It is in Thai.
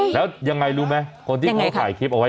แล้วยังไงรู้ไหมคนที่เขาถ่ายคลิปเอาไว้